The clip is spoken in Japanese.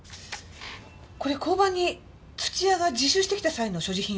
これ交番に土屋が自首してきた際の所持品よね。